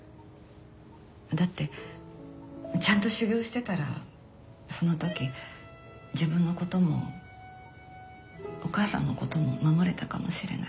だってちゃんと修行してたらそのとき自分のこともお母さんのことも守れたかもしれない。